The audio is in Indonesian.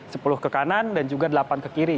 sepuluh ke kanan dan juga delapan ke kiri